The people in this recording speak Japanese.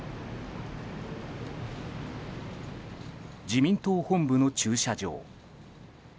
自民党本部の駐車場。